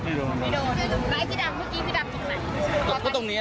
การตัดการอุ่นยังไม่ได้